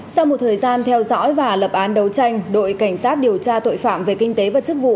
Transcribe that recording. sau một thời gian theo dõi và lập án đấu tranh đội cảnh sát điều tra tội phạm về kinh tế và chức vụ